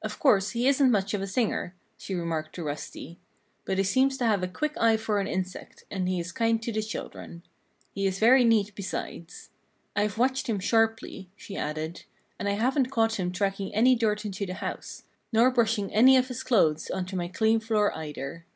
"Of course he isn't much of a singer," she remarked to Rusty, "but he seems to have a quick eye for an insect, and he is kind to the children. He is very neat, besides. I have watched him sharply," she added, "and I haven't caught him tracking any dirt into the house nor brushing any off his clothes onto my clean floor, either."